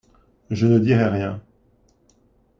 Je ne dirai rien.